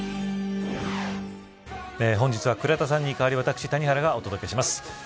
本日は倉田さんに代わり私、谷原がお届けします。